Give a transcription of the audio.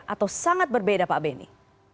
atau sangat berbeda pak beni